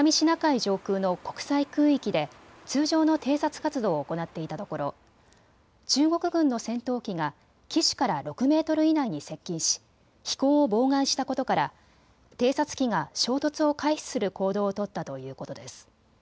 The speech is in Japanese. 上空の国際空域で通常の偵察活動を行っていたところ、中国軍の戦闘機が機首から６メートル以内に接近し飛行を妨害したことから偵察機が衝突を回避する行動を取ったということです。